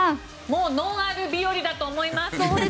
もうのんある日和だと思います。